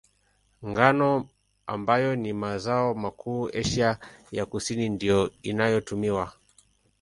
Ngano, ambayo ni mazao makuu Asia ya Kusini, ndiyo inayotumiwa.